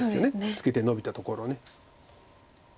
ツケてノビたところ。